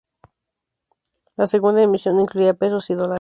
La segunda emisión incluía pesos y dólares.